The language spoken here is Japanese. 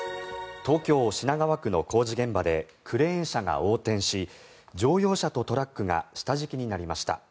東京・品川区の工事現場でクレーン車が横転し乗用車とトラックが下敷きになりました。